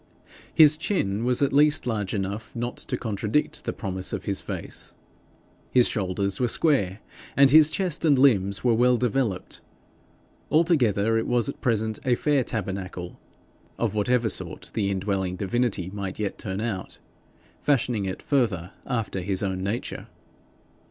His chin was at least large enough not to contradict the promise of his face; his shoulders were square, and his chest and limbs well developed: altogether it was at present a fair tabernacle of whatever sort the indwelling divinity might yet turn out, fashioning it further after his own nature.